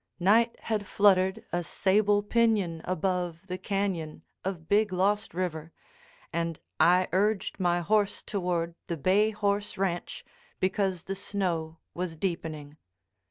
Night had fluttered a sable pinion above the cañon of Big Lost River, and I urged my horse toward the Bay Horse Ranch because the snow was deepening.